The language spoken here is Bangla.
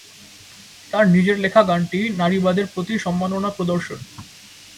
তার নিজের লেখা গানটি নারীবাদের প্রতি সম্মাননা প্রদর্শন।